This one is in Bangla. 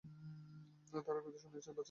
তারা কথাই শুনছে না, বাচ্চাদের মতো ঝগড়া করছে।